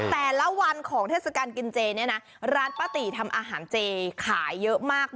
แต่ละวันของเทศกาลกินเจเนี่ยนะร้านป้าตีทำอาหารเจขายเยอะมาก